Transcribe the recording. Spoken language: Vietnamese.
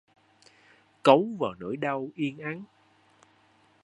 Cấu vào nỗi đau yên ắng